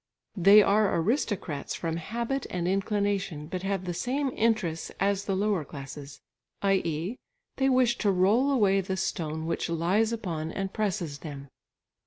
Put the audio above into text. They are aristocrats from habit and inclination, but have the same interests as the lower classes, i.e. they wish to roll away the stone which lies upon and presses them.